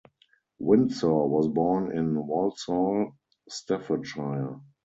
Windsor was born in Walsall, Staffordshire.